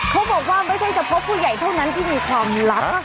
เขาบอกว่าไม่ใช่เฉพาะผู้ใหญ่เท่านั้นที่มีความลับ